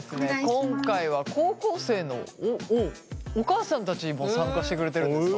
今回は高校生のお母さんたちも参加してくれてるんですか？